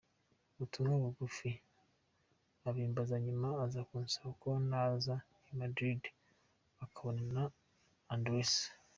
ubutumwa bugufi abimbaza, nyuma aza kunsaba ko naza i Madrid ukabonana, Andressa.